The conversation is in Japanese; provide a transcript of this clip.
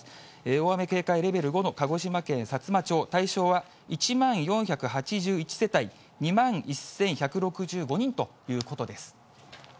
大雨警戒レベル５の鹿児島県さつま町、対象は１万４８１世帯、２万１１６５人ということです。